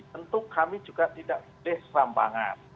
tentu kami juga tidak pilih seram banget